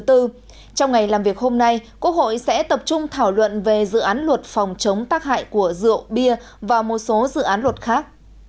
trong ngày làm việc hôm nay quốc hội sẽ tập trung thảo luận về dự án luật phòng chống tác hại của rượu bia và một số dự án luật khác